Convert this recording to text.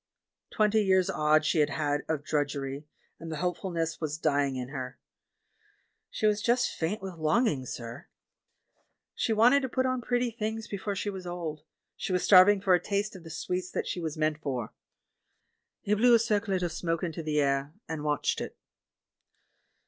Twenty years odd she had had of drudgery, and the hopefulness was dying in her. She was just faint with longing, sir. She 4^ THE MAN WHO UNDERSTOOD WOMEN wanted to put on pretty things before she was old — she was starving for a taste of the sweets that she was meant for." He blew a cii'clet of smoke into the air, and watched it.